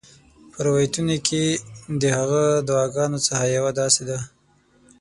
په روایتونو کې د هغې د دعاګانو څخه یوه داسي ده: